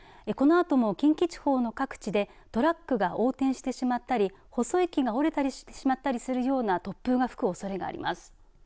このあとも近畿地方の各地でトラックが横転してしまったり細い木が折れたりしてしまったりするような突風が吹くおそれがあります。